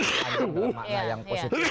ada makna yang positif